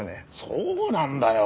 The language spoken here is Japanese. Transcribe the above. そうなんだよ。